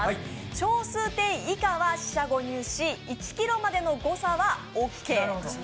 小数点以下は四捨五入し、１ｋｇまでの誤差はオッケー。